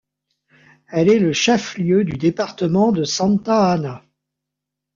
Elle est le chef-lieu du département de Santa Ana.